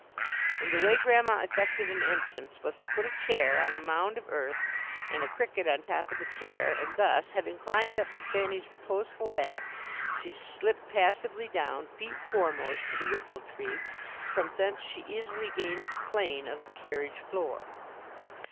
And the way Grandma effected an entrance was to put a chair on a mound of earth, and a cricket on top of the chair, and thus, having climbed up to Fanny's reposeful back, she slipped passively down, feet foremost, to the whiffle tree; from thence she easily gained the plane of the carriage floor.